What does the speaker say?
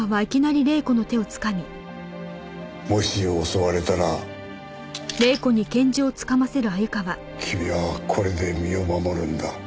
もし襲われたら君はこれで身を守るんだ。